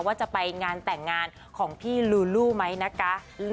ว่าจะไปงานแต่งงานของพี่ลูลูไหมนะคะ